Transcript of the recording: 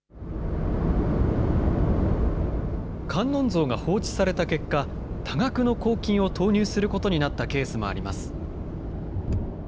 観音像が放置された結果、多額の公金を投入することになったケースもあります。